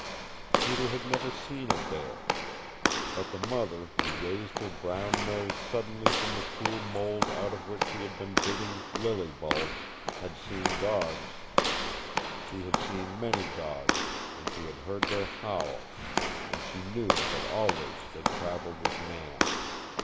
Peter had never seen a bear. But the mother, who raised her brown nose suddenly from the cool mold out of which she had been digging lily bulbs, had seen dogs. She had seen many dogs, and she had heard their howl, and she knew that always they traveled with man.